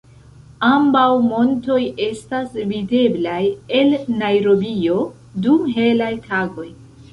Ambaŭ montoj estas videblaj el Najrobio dum helaj tagoj.